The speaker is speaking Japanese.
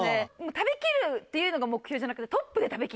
食べきるっていうのが目標じゃなくて。